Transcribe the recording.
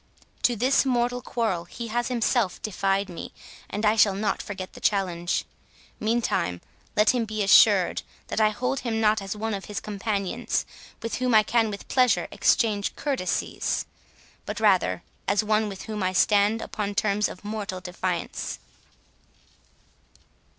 To this mortal quarrel he has himself defied me, and I shall not forget the challenge.—Meantime, let him be assured, that I hold him not as one of his companions, with whom I can with pleasure exchange courtesies; but rather as one with whom I stand upon terms of mortal defiance."